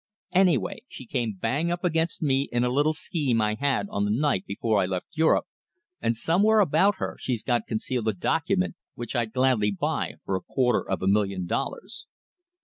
Anyway, she came bang up against me in a little scheme I had on the night before I left Europe, and somewhere about her she's got concealed a document which I'd gladly buy for a quarter of a million dollars."